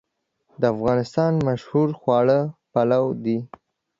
د افغانستان مشهور خواړه پلو دی